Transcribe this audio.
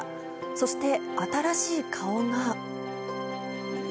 そして新しい顔が。